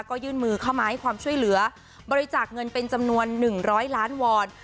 ก็ยื่นมือเข้ามาให้ความช่วยเหลือบริจาคเงินเป็นจำนวน๑๐๐ล้านวอน